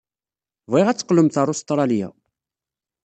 Bɣiɣ ad teqqlemt ɣer Ustṛalya.